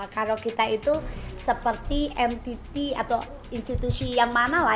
kalau kita itu seperti mpt atau institusi yang mana lah